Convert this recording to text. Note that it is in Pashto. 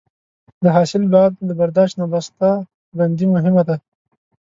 د حاصل بعد له برداشت نه بسته بندي مهمه ده.